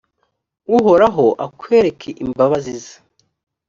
uhoraho akwereke imbabazi ze,